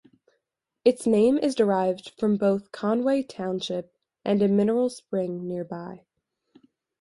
Its name is derived from both Conway Township and a mineral spring nearby.